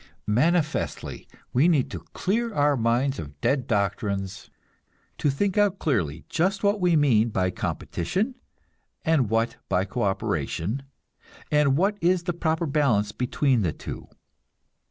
Manifestly, we need to clear our minds of dead doctrines; to think out clearly just what we mean by competition, and what by co operation, and what is the proper balance between the two.